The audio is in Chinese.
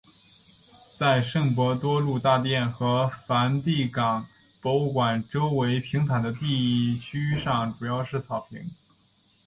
在圣伯多禄大殿和梵蒂冈博物馆周围平坦的地区上主要是草坪。